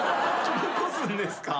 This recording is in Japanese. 残すんですか？